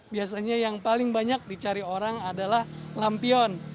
biasanya yang paling banyak dicari orang adalah lampion